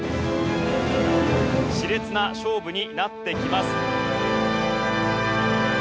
熾烈な勝負になってきます。